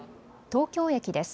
東京駅です。